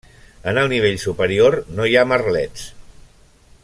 En el nivell superior no hi ha merlets.